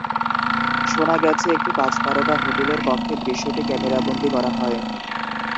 শোনা গেছে, একটি পাঁচ তারকা হোটেলের কক্ষে দৃশ্যটি ক্যামেরাবন্দী করা হয়।